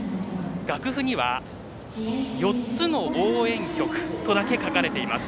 楽譜には４つの応援曲とだけ書かれています。